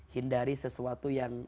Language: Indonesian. hindari sesuatu yang